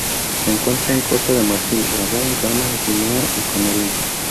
Se encuentra en Costa de Marfil, Gabón, Ghana, Guinea y Camerún.